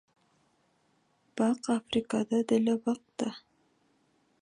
Бак Африкада деле бак да.